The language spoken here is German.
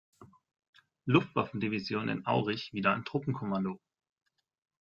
Luftwaffendivision in Aurich wieder ein Truppenkommando.